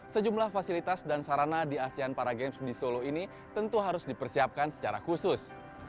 sejumlah fasilitas dan sarana di asean para games di solo ini tentu harus dipersiapkan secara khusus